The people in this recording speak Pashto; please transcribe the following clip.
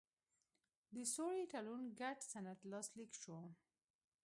د سولې تړون ګډ سند لاسلیک شو.